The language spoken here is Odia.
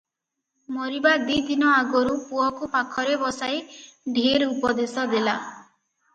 ମରିବା ଦି'ଦିନ ଆଗରୁ ପୁଅକୁ ପାଖରେ ବସାଇ ଢେର ଉପଦେଶ ଦେଲା ।